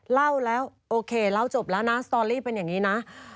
เล่าแล้วโอเคเล่าจบแล้วนะสตอรี่เป็นอย่างนี้นะ